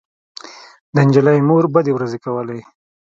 د نجلۍ مور بدې ورځې کولې